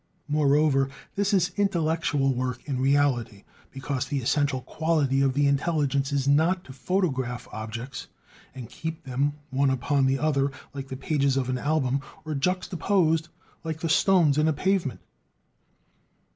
Moreover, this is intellectual work in reality, because the essential quality of the intelligence is not to "photograph" objects, and "keep them one upon the other" like the pages of an album, or juxtaposed like the stones in a pavement.